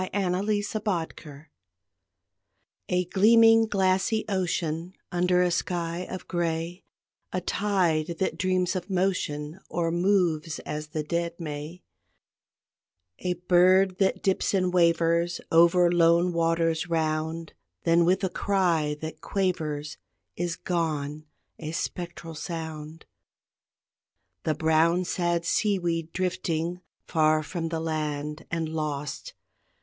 _ HAUNTED SEAS A gleaming glassy ocean, Under a sky of gray; A tide that dreams of motion, Or moves, as the dead may; A bird that dips and wavers Over lone waters round, Then with a cry that quavers Is gone a spectral sound. The brown sad sea weed drifting Far from the land, and lost.